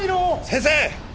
先生！